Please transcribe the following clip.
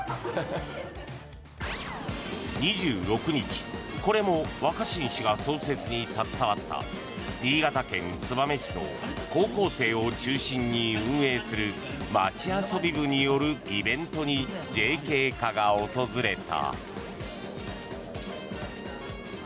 ２６日これも若新氏が創設に携わった新潟県燕市の高校生を中心に運営するまちあそび部によるイベントにＪＫ課が訪れた。